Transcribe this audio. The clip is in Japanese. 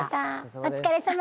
お疲れさま。